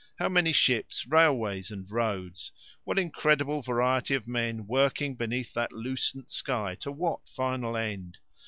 How many ships, railways, and roads! What incredible variety of men working beneath that lucent sky to what final end!